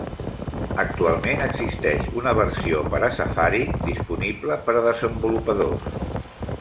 Actualment existeix una versió per a Safari disponible per a desenvolupadors.